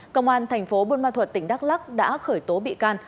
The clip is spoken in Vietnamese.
công an thành phố buôn ma thuật tỉnh đắk lắc đã khởi tố bị can